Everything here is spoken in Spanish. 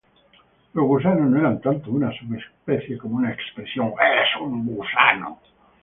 Los gusanos no eran tanto una sub-especie como una expresión.